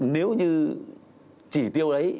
nếu như chỉ tiêu đấy